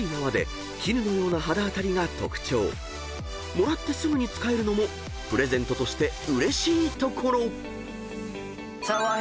［もらってすぐに使えるのもプレゼントとしてうれしいところ］